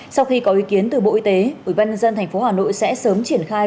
sau khi có ý kiến từ bộ y tế ubnd tp hà nội sẽ sớm triển khai